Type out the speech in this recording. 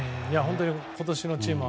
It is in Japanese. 今年のチームは